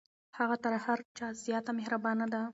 هغه تر هر چا زیاته مهربانه ده.